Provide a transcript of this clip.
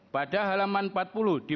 pada halaman empat puluh di